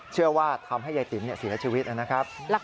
เชื่อว่าทำให้ยายติ๋มเสียชีวิตนะครับ